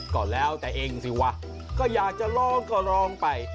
ก็แล้วแต่เองสิวะก็อยากจะร้องก็ร้องไป